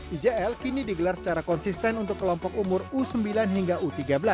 ijl kini digelar secara konsisten untuk kelompok umur u sembilan hingga u tiga belas